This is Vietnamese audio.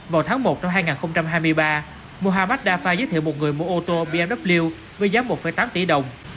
vào tháng một năm hai nghìn hai mươi ba muhammad dafa giới thiệu một người mua ô tô bmw với giá một tám tỷ đồng